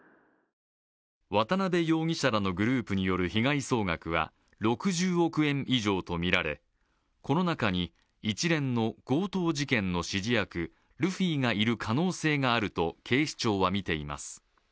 渡辺容疑者らのグループによる被害総額は６０億円以上とみられ、この中に一連の強盗事件の指示役ルフィがいる可能性があると警視庁はみています。